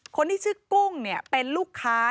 คนที่ชื่อกุ้งเนี่ยเป็นลูกค้า